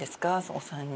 お三人と。